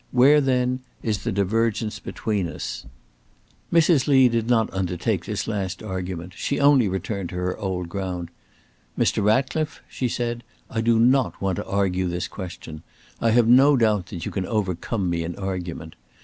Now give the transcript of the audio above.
Where, then, is the divergence between us?" Mrs. Lee did not undertake to answer this last argument: she only returned to her old ground. "Mr. Ratcliffe," she said, "I do not want to argue this question. I have no doubt that you can overcome me in argument.